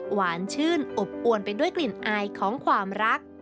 หวานชื่นอบอวนไปด้วยกลิ่นอายของความรัก